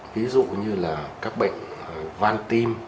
ví dụ như là các bệnh van tim